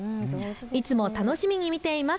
いつも楽しみに見ています。